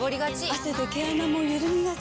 汗で毛穴もゆるみがち。